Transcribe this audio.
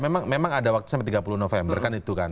memang ada waktu sampai tiga puluh november kan itu kan